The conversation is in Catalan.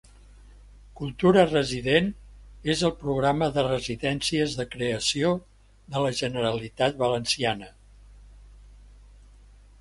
"Cultura Resident" és el programa de residències de creació de la Generalitat Valenciana.